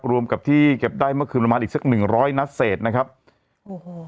รวมกับที่เก็บได้เมื่อคืนประมาณอีกสักหนึ่งร้อยนัดเศษนะครับโอ้โห